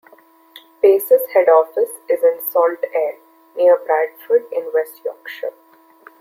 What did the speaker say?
Pace's head office is in Saltaire, near Bradford in West Yorkshire.